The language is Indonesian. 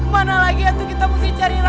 mana lagi ya tuh kita mesti cari rafa